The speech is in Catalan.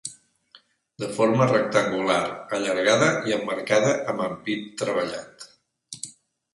De forma rectangular allargada i emmarcada amb ampit treballat.